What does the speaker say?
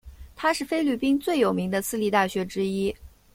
它是菲律宾最有名的私立大学之一。